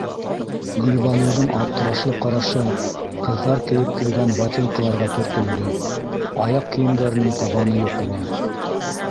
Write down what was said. - Гөлбаныуҙың аптырашлы ҡарашы ҡыҙҙар кейеп килгән ботинкаларға төртөлдө - аяҡ кейемдәренең табаны юҡ ине.